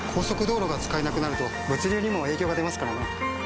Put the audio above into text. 速道路が使えなくなると物流にも影響が出ますからね。